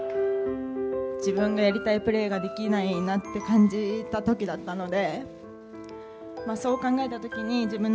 自分がやりたいプレーができないなって感じたときだったので。